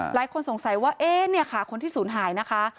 หลายคนสงสัยว่าเอ๊ะเนี่ยค่ะคนที่ศูนย์หายนะคะ